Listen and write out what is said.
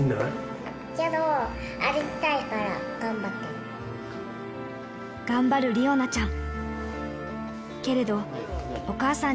けど、歩きたいから頑張って頑張る理央奈ちゃん。